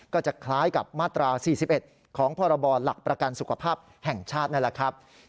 ก็จะคล้ายกับมาตรา๔๑ของพรบหลักประกันสุขภาพแห่งชาตินั่นแหละครับ